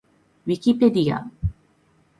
ウィキペディア